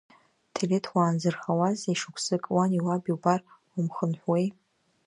Ҭелеҭ, уаанзырхауазеи шықәсык, уани уаби убар умхынҳәуеи?